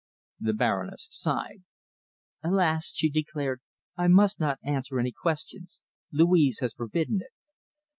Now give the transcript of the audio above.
The Baroness sighed. "Alas!" she declared, "I must not answer any questions. Louise has forbidden it."